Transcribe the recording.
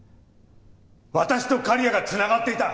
私と刈谷が繋がっていた。